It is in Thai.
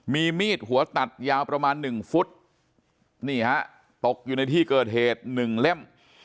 มีมีดหัวตัดยาวประมาณหนึ่งฟุตนี่ฮะตกอยู่ในที่เกิดเหตุหนึ่งเล่ม